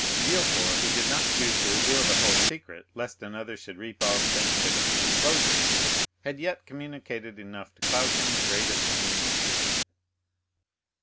Villefort, who did not choose to reveal the whole secret, lest another should reap all the benefit of the disclosure, had yet communicated enough to cause him the greatest uneasiness.